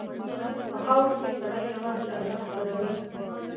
په خاوره کې سړی یوازې له الله سره وي.